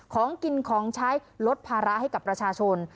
ของกินของใช้ลดภาระให้กับประชาชน